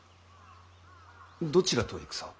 どちらと戦を？